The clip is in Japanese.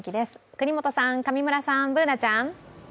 國本さん、上村さん、Ｂｏｏｎａちゃん。